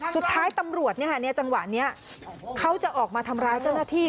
สุดท้ายจังหวะนี้ตำรวจจะออกมาทำร้ายเจ้าหน้าที่